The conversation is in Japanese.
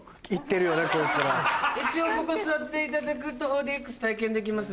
一応ここ座っていただくと４ＤＸ体験できますんで。